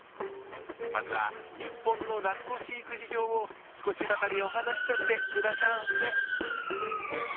まずは日本のラッコ飼育事情を少しばかりお話しさせてくだしゃんせ。